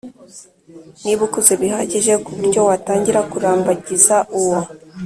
Niba ukuze bihagije ku buryo watangira kurambagiza uwo